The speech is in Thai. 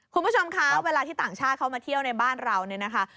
คุณผู้ชมคะเวลาที่ต่างชาติเขามาเที่ยวในบ้านเราเนี่ยนะคะ